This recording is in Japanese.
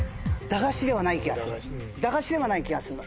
駄菓子ではない気がするの。